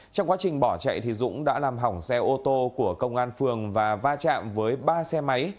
trong quá trình bỏ chạy dũng đã làm hỏng xe ô tô của công an phường và va chạm với ba xe máy